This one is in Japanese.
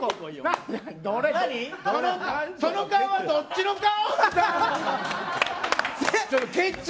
その顔はどっちの顔。